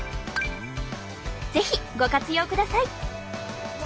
是非ご活用ください。